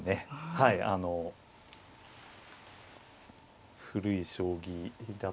はいあの古い将棋。